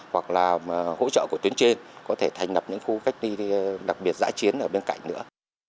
hoặc là hỗ trợ của tuyến trên có thể thành lập những khu cách ly đặc biệt giãi chiến ở bên cạnh nữa